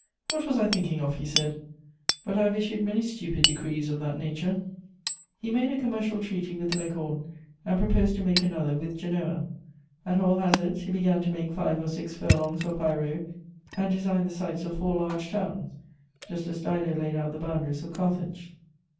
"What was I thinking of?" he said. "But I have issued many stupid decrees of that nature." He made a commercial treaty with Leghorn and proposed to make another with Genoa. At all hazards, he began to make five or six furlongs of high road and designed the sites of four large towns, just as Dido laid out the boundaries of Carthage.